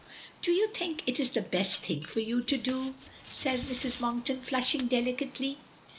"Do you think it is the best thing for you to do?" says Mrs. Monkton, flushing delicately.